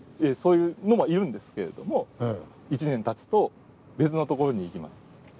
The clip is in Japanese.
そういうのもいるんですけれども１年たつと別の所に行きます。